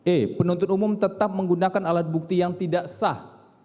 e penuntut umum tetap menggunakan alat bukti yang tidak sah